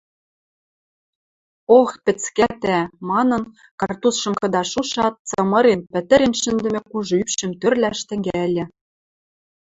«Ох, пӹцкӓтӓ!» – манын, картузшым кыдаш шушат, цымырен, пӹтӹрец шӹндӹмӹ кужы ӱпшӹм тӧрлӓш тӹнгӓльӹ